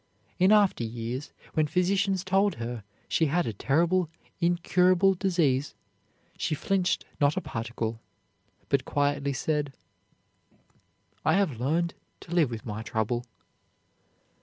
In after years, when physicians told her she had a terrible, incurable disease, she flinched not a particle, but quietly said, "I have learned to live with my trouble."